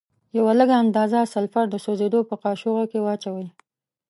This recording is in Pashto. یوه لږه اندازه سلفر د سوځیدو په قاشوغه کې واچوئ.